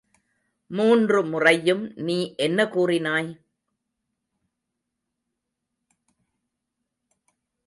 மூன்று முறையும் நீ என்ன கூறினாய்?